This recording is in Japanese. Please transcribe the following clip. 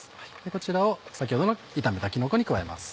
こちらを先ほどの炒めたきのこに加えます。